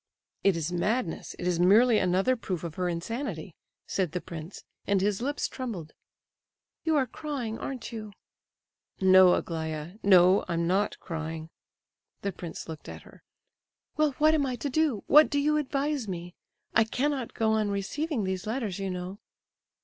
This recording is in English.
"It is madness—it is merely another proof of her insanity!" said the prince, and his lips trembled. "You are crying, aren't you?" "No, Aglaya. No, I'm not crying." The prince looked at her. "Well, what am I to do? What do you advise me? I cannot go on receiving these letters, you know."